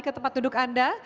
ke tempat duduk anda